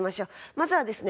まずはですね